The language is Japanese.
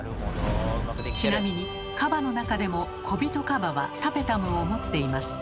ちなみにカバの中でもコビトカバはタペタムを持っています。